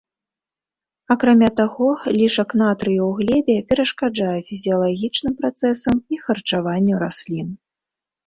Акрамя таго, лішак натрыю ў глебе перашкаджае фізіялагічным працэсам і харчаванню раслін.